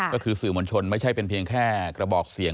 ก็คือสื่อมวลชนไม่ใช่เป็นเพียงแค่กระบอกเสียง